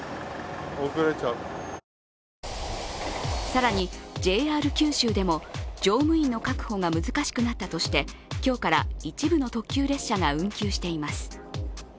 更にＪＲ九州でも乗務員の確保が難しくなったとして今日から一部の特急列車が運休しています。